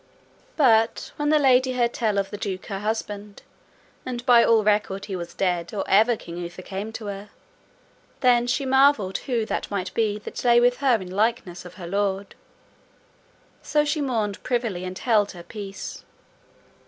But when the lady heard tell of the duke her husband, and by all record he was dead or ever King Uther came to her, then she marvelled who that might be that lay with her in likeness of her lord; so she mourned privily and held her peace.